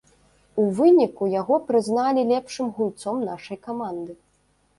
У выніку яго прызналі лепшым гульцом нашай каманды.